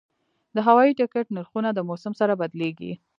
د هوایي ټکټ نرخونه د موسم سره بدلېږي.